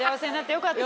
よかった。